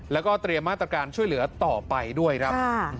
แล้วก็เตรียมมาตรการช่วยเหลือต่อไปด้วยครับ